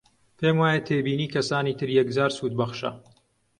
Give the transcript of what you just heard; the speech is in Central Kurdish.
پێم وایە تێبینی کەسانی تر یەکجار سوودبەخشە